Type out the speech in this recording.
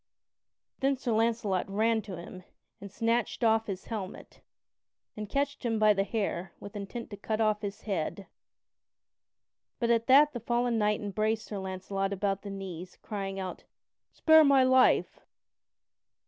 Then Sir Launcelot ran to him and snatched off his helmet, and catched him by the hair with intent to cut off his head. But at that the fallen knight embraced Sir Launcelot about the knees, crying out: "Spare my life!"